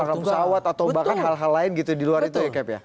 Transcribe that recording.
apakah pesawat atau bahkan hal hal lain gitu di luar itu ya cap ya